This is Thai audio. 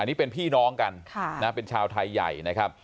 อันนี้เป็นพี่น้องกันเป็นชาวไทยใหญ่นะครับ